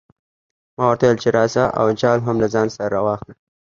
ما ورته وویل چې راځه او جال هم له ځان سره راواخله.